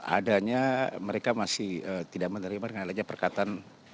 adanya mereka masih tidak menerima dengan adanya perkataan